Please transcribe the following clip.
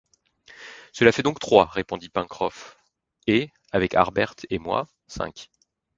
Cela fait donc trois, répondit Pencroff, et, avec Harbert et moi, cinq